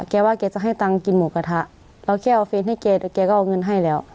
แกว่าแกจะให้ตังค์กินหมูกระทะแล้วแกเอาเฟสให้แกเดี๋ยวแกก็เอาเงินให้แล้ว